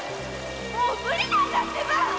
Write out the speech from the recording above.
〔もう無理なんだってば！〕